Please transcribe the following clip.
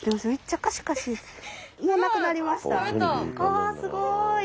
わすごい。